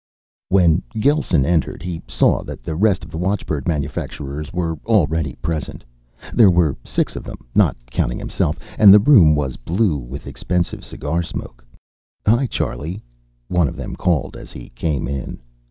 _ When Gelsen entered, he saw that the rest of the watchbird manufacturers were already present. There were six of them, not counting himself, and the room was blue with expensive cigar smoke. "Hi, Charlie," one of them called as he came in.